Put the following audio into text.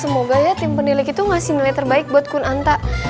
semoga ya tim pendilik itu ngasih nilai terbaik buat kun anta